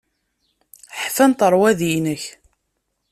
Ḥfant rrwaḍi-inek.